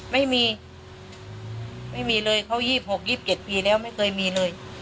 ไม่มีไม่มีเลยเขา๒๖๒๗ปีแล้วไม่เคยมีเลย